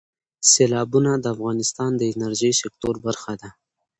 سیلابونه د افغانستان د انرژۍ سکتور برخه ده.